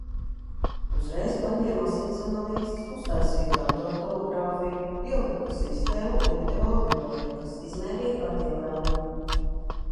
Uzreiz paņēma asins analīzes, uztaisīja datortomogrāfiju, pielika sistēmu un iedeva antibiotikas. Izmērīja kardiogramu.